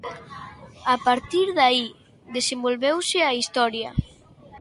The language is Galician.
A partir de aí, desenvolveuse a historia.